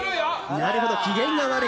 なるほど、機嫌が悪い。